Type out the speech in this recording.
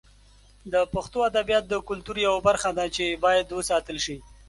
د پښتو ادبیات د کلتور یوه برخه ده چې باید وساتل شي.